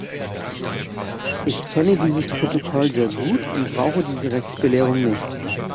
Ich kenne dieses Protokoll sehr gut und brauche diese Rechtsbelehrung nicht.